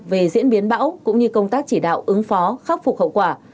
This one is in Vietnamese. về diễn biến bão cũng như công tác chỉ đạo ứng phó khắc phục hậu quả